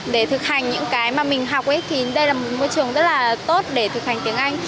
để thực hành những cái mà mình học thì đây là một môi trường rất là tốt để thực hành tiếng anh